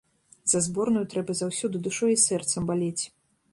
За зборную трэба заўсёды душой і сэрцам балець.